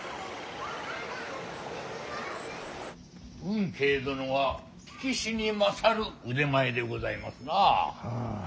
運慶殿は聞きしに勝る腕前でございますな。